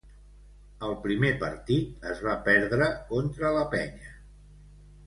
El primer partit es va perdre contra la Penya.